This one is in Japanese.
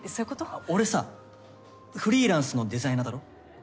あっ俺さフリーランスのデザイナーだろ？